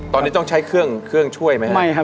ตอนนี้ต้องใช้เครื่องช่วยไหมครับ